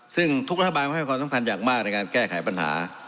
ซึ่งทุกรัฐบาลก็ให้ความสำคัญอย่างมากในการแก้ไขปัญหา